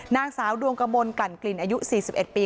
นางสาวดวงกระมวลกลั่นกลิ่นอายุ๔๑ปี